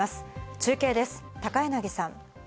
中継です、高柳さん。